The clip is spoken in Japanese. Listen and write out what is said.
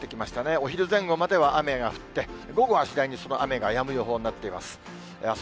お昼前後までは雨が降って、午後は次第にその雨がやむ予報になっています。